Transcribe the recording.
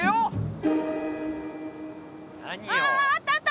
あったあった。